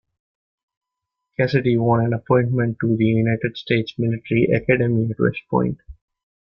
Cassidy won an appointment to the United States Military Academy at West Point.